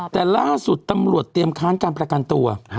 แต่ล่าสุดตำรวจเตรียมค้านการประกันตัว